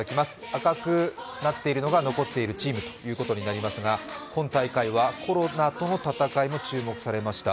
赤くなっているのが残っているチームとなりますが、今大会はコロナとの戦いも注目されました。